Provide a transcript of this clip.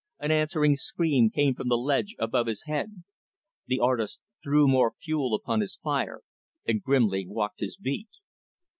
An answering scream came from the ledge above his head. The artist threw more fuel upon his fire, and grimly walked his beat.